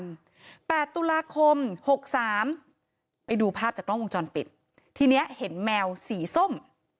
ก็แล้วกัน๘ตุลาคม๖๓ไปดูภาพจากล้องวงจรปิดทีเนี้ยเห็นแมวสีส้ม